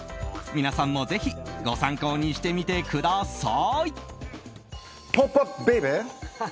皆さんもぜひご参考にしてみてください。